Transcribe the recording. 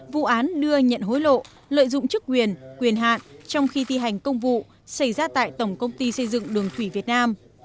vụ án đưa nhận hối lộ lợi dụng chức quyền hạn trong khi thi hành công vụ xảy ra tại tổng công ty xây dựng đường thủy việt nam